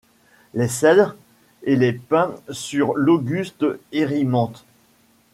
Les cèdres, et les pins sur l'auguste Érymanthe ;